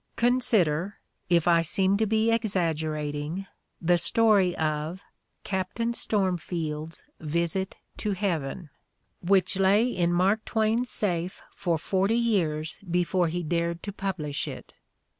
Consider, if I seem to be exaggerating, the story of "Captain Stormfield's Visit to Heaven," which lay in The Candidate for Gentility 125 Mark Twain's safe for forty years before he dared to publish it.